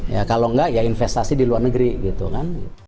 ya kalau enggak ya investasi di luar negeri gitu kan